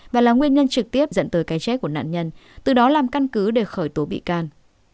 và là nguyên nhân trực tiếp dẫn tới cái chết của nạn nhân từ đó làm căn cứ để khởi tố bị can